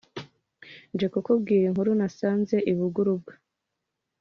Nje kukubwira inkuru nasanze i Buguru* bwa